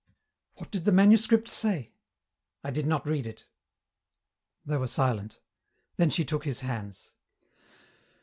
"What did the manuscript say?" "I did not read it." They were silent. Then she took his hands.